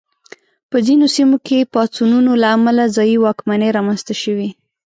په ځینو سیمو کې پاڅونونو له امله ځايي واکمنۍ رامنځته شوې.